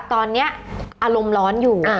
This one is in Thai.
ตอนนี้อารมณ์ร้อนอยู่